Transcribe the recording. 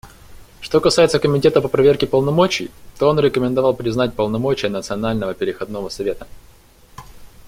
Что касается Комитета по проверке полномочий, то он рекомендовал признать полномочия Национального переходного совета.